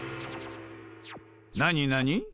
何何？